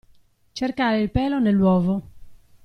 Cercare il pelo nell'uovo.